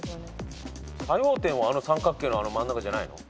作用点はあの三角形の真ん中じゃないの？